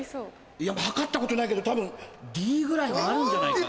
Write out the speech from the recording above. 測ったことないけど多分Ｄぐらいはあるんじゃないか。